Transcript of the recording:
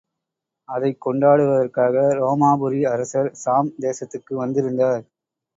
அதைக் கொண்டாடுவதற்காக, ரோமாபுரி அரசர் ஷாம் தேசத்துக்கு வந்திருந்தார்.